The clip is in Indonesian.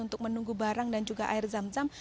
untuk menunggu barang dan juga air zam zam